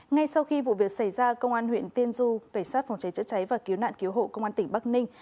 ngay sau khi vụ việc xảy ra công an huyện tiên du cảnh sát phòng cháy chữa cháy và cứu nạn cứu hộ công an tỉnh bắc ninh